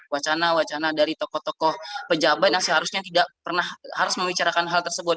wacana wacana dari tokoh tokoh pejabat yang seharusnya tidak pernah harus membicarakan hal tersebut